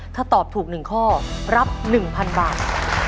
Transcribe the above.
ถ้าตอบถูก๑ข้อรับ๑๐๐๐บาท